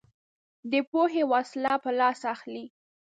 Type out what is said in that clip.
دی پوهې وسله په لاس اخلي